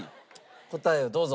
答えをどうぞ。